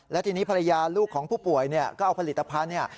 และทีนี้ภรรยาลูกของผู้ป่วยเนี่ยก็เอาผลิตภัณฑ์เนี่ย